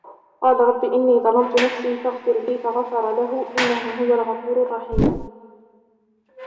قَالَ رَبِّ إِنِّي ظَلَمْتُ نَفْسِي فَاغْفِرْ لِي فَغَفَرَ لَهُ إِنَّهُ هُوَ الْغَفُورُ الرَّحِيمُ